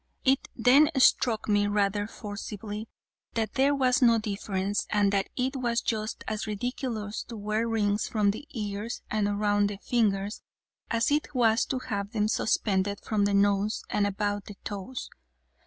It then struck me rather forcibly that there was no difference and that it was just as ridiculous to wear rings from the ears and around the fingers as it was to have them suspended from the nose and about the toes.